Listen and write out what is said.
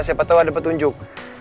siapa tau ada petunjuk